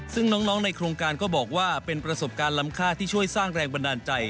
ซึ่งน้องในโครงการก็บอกว่าเป็นประสบการณ์ล้ำค่าที่ช่วยสร้างแรงบันดาลใจ